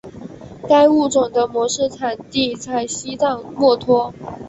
该物种的模式产地在西藏墨脱。